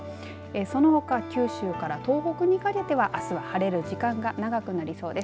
そのほか九州から東北にかけてはあすは晴れる時間が長くなりそうです。